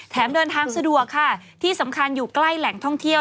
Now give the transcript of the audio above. เดินทางสะดวกค่ะที่สำคัญอยู่ใกล้แหล่งท่องเที่ยว